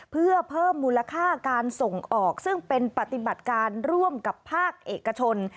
เพื่อเพิ่มมูลค่าการส่งออกซึ่งเป็นปฏิบัติการร่วมกับภาคเอกชน